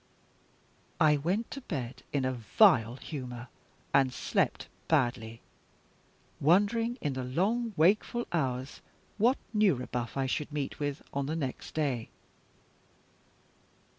....... I went to bed in a vile humor, and slept badly; wondering, in the long wakeful hours, what new rebuff I should meet with on the next day.